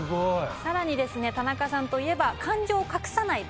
さらに田中さんといえば。